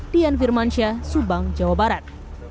dian firmansyah subang jawa barat